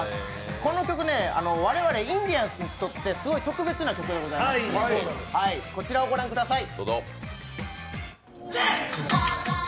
この曲、我々インディアンスにとってすごい特別な曲でございまして、こちらをご覧ください。